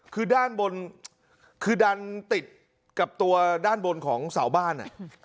คือด้านบนคือดันติดกับตัวด้านบนของเสาบ้าน